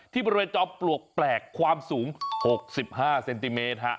บริเวณจอมปลวกแปลกความสูง๖๕เซนติเมตร